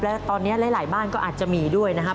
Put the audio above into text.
และตอนนี้หลายบ้านก็อาจจะมีด้วยนะครับ